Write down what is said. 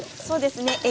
そうですね。